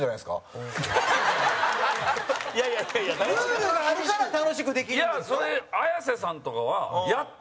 蛍原：ルールがあるから楽しくできるんですよ。